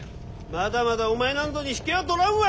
まだまだお前なんぞに引けは取らんわ！